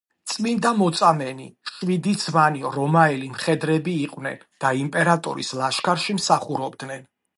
წმინდა მოწამენი, შვიდი ძმანი რომაელი მხედრები იყვნენ და იმპერატორის ლაშქარში მსახურობდნენ.